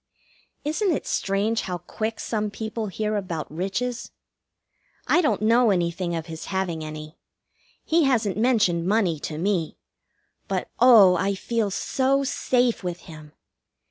Isn't it strange how quick some people hear about riches? I don't know anything of his having any. He hasn't mentioned money to me; but oh, I feel so safe with him!